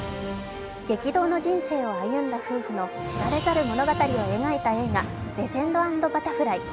激動の人生を歩んだ夫婦の知られざる物語を描いた映画、「レジェンド＆バタフライ」。